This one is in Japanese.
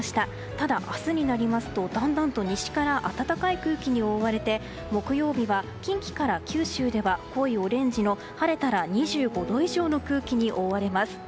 ただ明日になりますとだんだんと西から暖かい空気に覆われて木曜日は近畿から九州では濃いオレンジの晴れたら２５度以上の空気に覆われます。